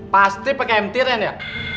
pasti pakai m tier nya nih ya